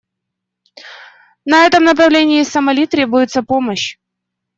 На этом направлении Сомали требуется помощь.